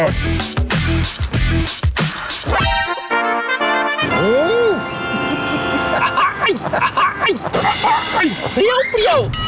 ไอ้เครียวเพรียว